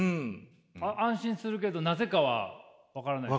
安心するけどなぜかは分からない？